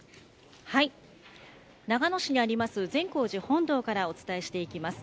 長野市にあります善光寺本堂からお伝えしていきます。